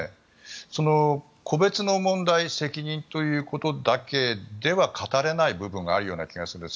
その個別の問題責任ということだけでは語れない部分がある気がします。